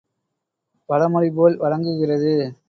பழமொழி போல் வழங்குகிறது.